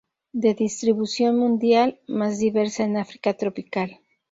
The distribución mundial, más diversa en Africa tropical.